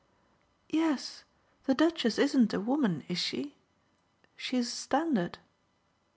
"Yes, the Duchess isn't a woman, is she? She's a standard."